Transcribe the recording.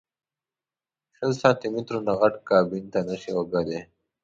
شل سانتي مترو نه غټ کابین ته نه شې وړلی.